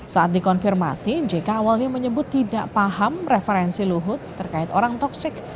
saat dikonfirmasi jk awalnya menyebut tidak paham referensi luhut terkait orang toksik